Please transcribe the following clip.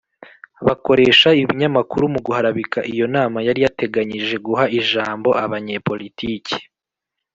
bakoresha ibinyamakuru mu guharabika iyo nama yari yateganyije guha ijambo abanyepolitiki,